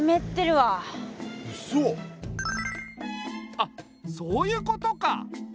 あっそういうことか！